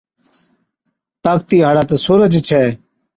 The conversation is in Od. طاقتِي هاڙا تہ سُورج ڇَي۔